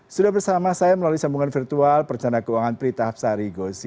sudah bersama saya melalui sambungan virtual perencana keuangan prita hapsari gozi